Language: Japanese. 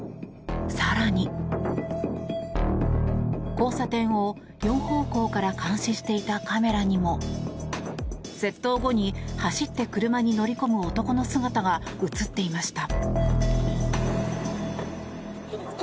更に、交差点を４方向から監視していたカメラにも窃盗後に、走って車に乗り込む男の姿が映っていました。